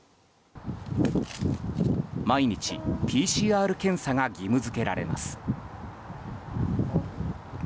毎日、ＰＣＲ検査が義務付けられます。